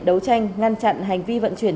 đấu tranh ngăn chặn hành vi vận chuyển